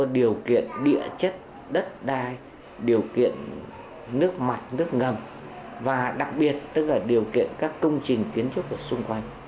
điều kiện các công trình kiến trúc ở xung quanh